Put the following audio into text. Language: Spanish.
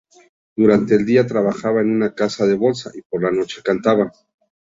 Durante el día trabajaba en una casa de bolsa, y por la noche cantaba.